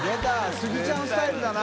スギちゃんスタイルだな。